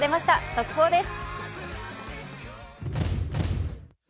速報です。